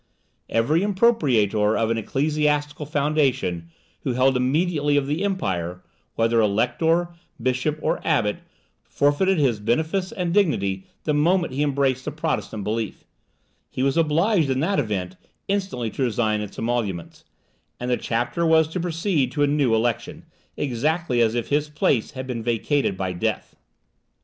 Every impropriator of an ecclesiastical foundation, who held immediately of the Empire, whether elector, bishop, or abbot, forfeited his benefice and dignity the moment he embraced the Protestant belief; he was obliged in that event instantly to resign its emoluments, and the chapter was to proceed to a new election, exactly as if his place had been vacated by death.